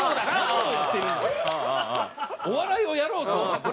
お笑いをやろうと思って。